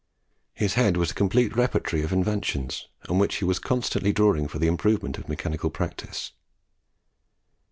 His head was a complete repertory of inventions, on which he was constantly drawing for the improvement of mechanical practice.